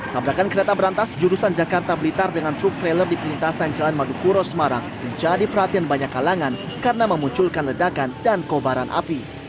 tabrakan kereta berantas jurusan jakarta blitar dengan truk trailer di pelintasan jalan madukuro semarang menjadi perhatian banyak kalangan karena memunculkan ledakan dan kobaran api